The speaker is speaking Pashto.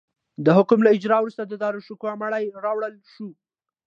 د حکم له اجرا وروسته د داراشکوه مړی راوړل شو.